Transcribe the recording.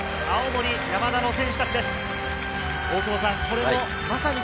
青森山田の選手たちです。